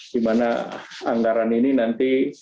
di mana anggaran ini nanti